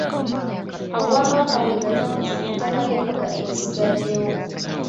Obwakabaka bwegazaanyize ku ttaka ly’embuga erisigaddewo.